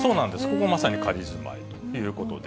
ここ、まさに仮住まいということで。